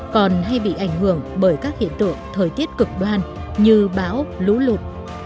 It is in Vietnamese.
còn hay bị ảnh hưởng bởi các hiện tượng thời tiết cực đoan như bão lũ lụt